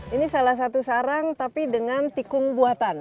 ini salah satu sarang tapi dengan tikung buatan